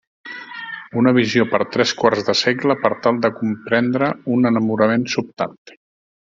Una visió per tres quarts de segle per tal de comprendre un enamorament sobtat.